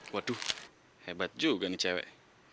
waduh hebat juga nih cewek